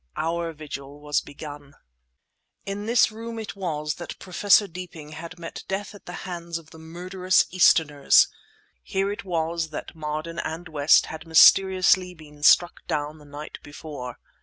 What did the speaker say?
Our vigil was begun. In this room it was that Professor Deeping had met death at the hands of the murderous Easterns; here it was that Marden and West had mysteriously been struck down the night before.